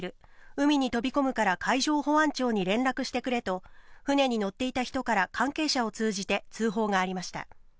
海に飛び込むから海上保安庁に連絡してくれと船に乗っていた人から関係者を通じて通報がありました。